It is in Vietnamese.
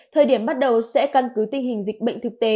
thời điểm bắt đầu sẽ căn cứ tình hình dịch bệnh thực tế